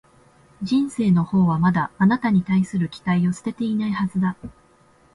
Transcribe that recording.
人生のほうはまだ、あなたに対する期待を捨てていないはずだ